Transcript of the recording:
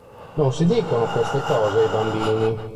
Non si dicono queste cose ai bambini.